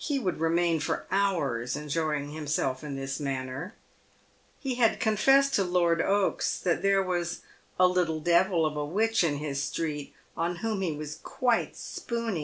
He would remain for hours enjoying himself in this manner. He had confessed to Lord Oakes that there was " a little devil of a witch in his street on whom he was quite spooney."